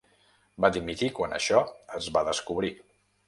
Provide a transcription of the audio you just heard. Va dimitir quan això es va descobrir.